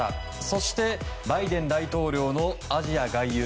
そして、バイデン大統領のアジア外遊。